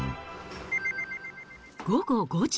午後５時。